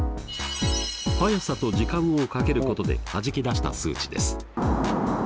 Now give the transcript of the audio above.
速さと時間を掛けることではじき出した数値です。